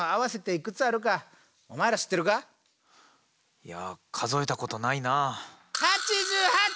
いや数えたことないなあ。